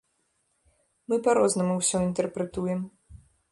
Мы па-рознаму ўсё інтэрпрэтуем.